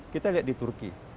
kita lihat di turki